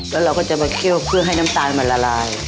แล้วเราก็จะมาเคี่ยวเพื่อให้น้ำตาลมันละลาย